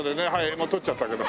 もう撮っちゃったけど。